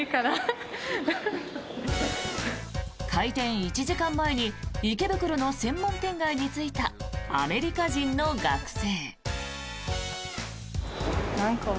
開店１時間前に池袋の専門店街に着いたアメリカ人の学生。